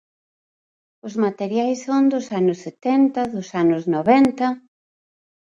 Os materiais son dos anos setenta, dos anos noventa.